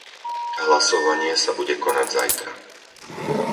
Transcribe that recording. Hlasovanie sa bude konať zajtra.